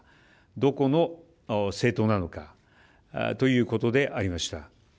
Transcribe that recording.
どこの政党なのかということでありました。